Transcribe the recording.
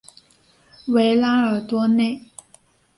维拉尔多内。